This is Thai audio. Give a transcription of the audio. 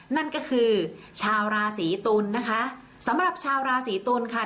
นั่นก็คือชาวราศีตุลนะคะสำหรับชาวราศีตุลค่ะ